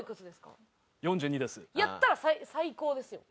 やったら最高ですよ。